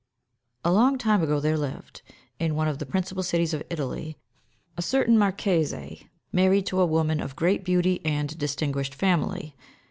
A long time ago there lived, in one of the principal cities of Italy, a certain marchese, married to a woman of great beauty and distinguished family.